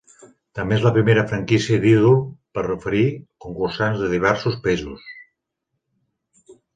També és la primera franquícia d'ídol per oferir concursants de diversos països.